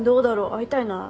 会いたいな。